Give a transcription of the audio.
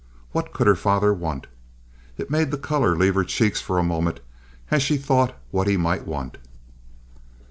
What could her father want? It made the color leave her cheeks for the moment, as she thought what he might want.